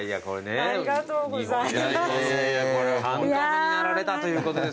ありがとうございます。